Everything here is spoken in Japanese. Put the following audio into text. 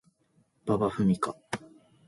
馬場ふみか